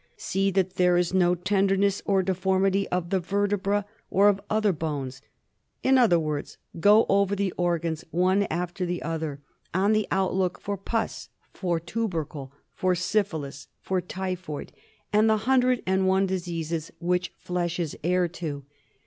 See that there is no tenderness or deformity of the vertebrae or of other bones. In other words, go over the organs one after the other on the outlook for pus, for tubercle, for syphilis, for typhoid, and the hundred and one diseases which flesh is heir to.